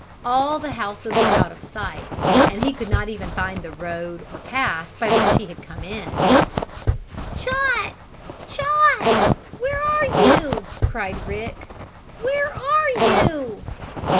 All the houses were out of sight, and he could not even find the road, or path, by which he had come in. "Chot! Chot! Where are you?" cried Rick. "Where are you?"